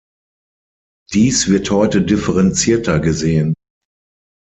Dies wird heute differenzierter gesehen.